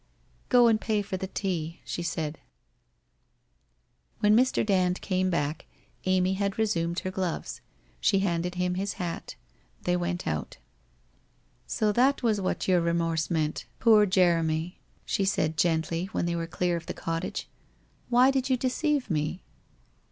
...* Go and pay for the tea,' she said. «•••• When Mr. Dand came back Amy had resumed her gloves. She handed him his hat. They went out. ' So that was what your remorse meant, poor Jeremy !' WHITE ROSE OF WEARY LEAF 305 she said, gently when they were clear of the cottage. ' Why did you deceive me